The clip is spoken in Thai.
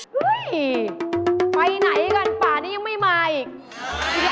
เฮ้ยไปไหนกันป่านี้ยังไม่มาอีก